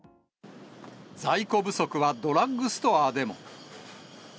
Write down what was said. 在庫不足はドラッグストアでも。